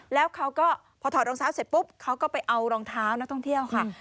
แล้วเขาก็พอถอดรองเท้าเสร็จปุ๊บเขาก็ไปเอารองเท้านักท่องเที่ยวค่ะ